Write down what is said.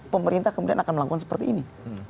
pemerintah kemudian akan melakukan seperti ini